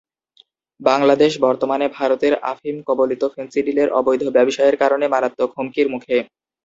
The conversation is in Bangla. বাংলাদেশ বর্তমানে ভারতের আফিম কবলিত ফেনসিডিলের অবৈধ ব্যবসায়ের কারণে মারাত্মক হুমকির মুখে।